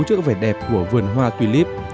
trước vẻ đẹp của vườn hoa tulip